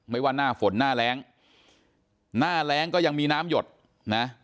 ว่าหน้าฝนหน้าแรงหน้าแรงก็ยังมีน้ำหยดนะ